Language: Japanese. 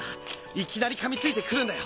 いきなり噛みついてくるんだよ